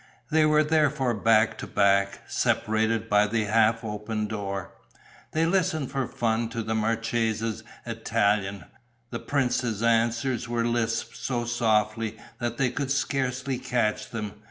They were therefore back to back, separated by the half open door. They listened for fun to the marchesa's Italian; the prince's answers were lisped so softly that they could scarcely catch them.